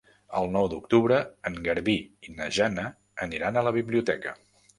El nou d'octubre en Garbí i na Jana aniran a la biblioteca.